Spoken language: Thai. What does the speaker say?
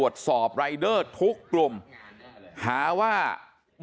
มันต้องการมาหาเรื่องมันจะมาแทงนะ